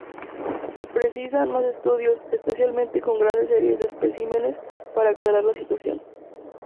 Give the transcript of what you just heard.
Se precisan más estudios, especialmente con grandes series de especímenes, para aclarar las situación.